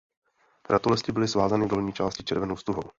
Ratolesti byly svázány v dolní části červenou stuhou.